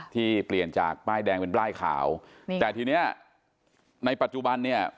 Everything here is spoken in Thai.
ที่เปลี่ยนจากป้ายแดงเป็นป้ายขาวนี่แต่ทีเนี้ยในปัจจุบันเนี่ย